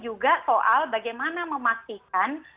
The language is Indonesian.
juga soal bagaimana memastikan